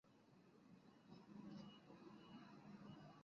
墨脱节肢蕨为水龙骨科节肢蕨属下的一个种。